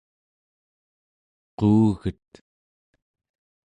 quuget